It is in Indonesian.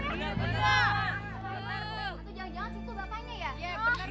iya benar pak bisa jadi